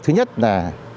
thứ nhất là